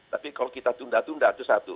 tapi kalau kita tunda tunda itu satu